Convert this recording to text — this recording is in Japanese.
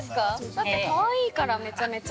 だって、かわいいからめちゃめちゃ。